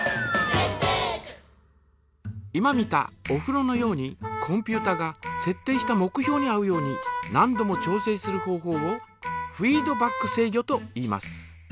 今見たおふろのようにコンピュータがせっ定した目標に合うように何度も調整する方法をフィードバック制御といいます。